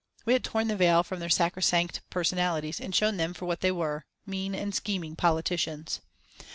We had torn the veil from their sacro sanct personalities and shown them for what they were, mean and scheming politicians.